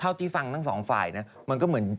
ที่ฟังทั้งสองฝ่ายนะมันก็เหมือน